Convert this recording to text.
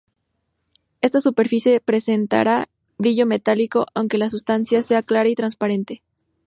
Esta superficie presentará brillo metálico, aunque la sustancia sea clara y transparente.